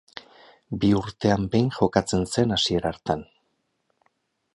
Bi urtean behin jokatzen zen, hasiera hartan.